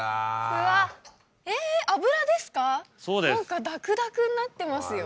何かダクダクになってますよ。